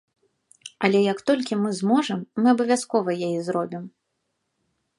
Але як толькі мы зможам, мы абавязкова яе зробім.